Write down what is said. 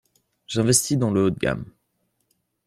J'investi dans le haut de gamme.